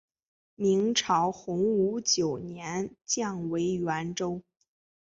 明朝洪武九年降为沅州。